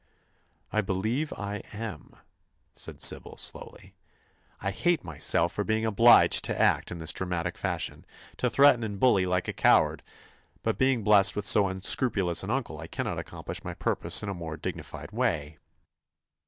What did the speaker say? "I believe I am," said Sybil, slowly. "I hate myself for being obliged to act in this dramatic fashion—to threaten and bully like a coward—but being blessed with so unscrupulous an uncle I cannot accomplish my purpose in a more dignified way."